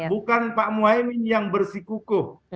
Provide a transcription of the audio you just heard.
bukan pak muhaymin yang bersikukuh